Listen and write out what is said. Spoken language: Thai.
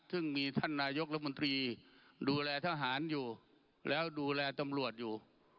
ซึ่งมีท่านนายกรัฐมนตรีดูแลทหารอยู่แล้วดูแลตำรวจอยู่